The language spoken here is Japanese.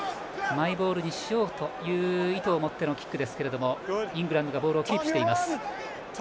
マイボールにしようという意図を持ってのキックですがイングランドがボールをキープしています。